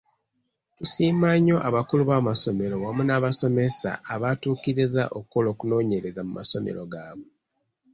Tusiima nnyo abakulu b'amasomero wamu n'abasomesa abaatukkiriza okukola okunoonyereza mu masomero gaabwe.